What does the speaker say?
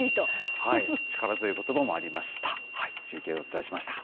力強いことばもありました。